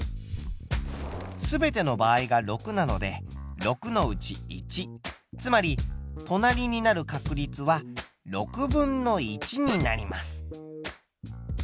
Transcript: すべての場合が６なので６のうち１つまり隣になる確率は６分の１になります。